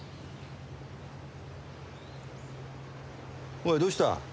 おいどうした？